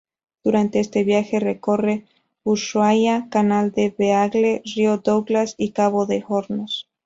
Durante este viaje recorre Ushuaia, Canal del Beagle, Río Douglas y Cabo de Hornos.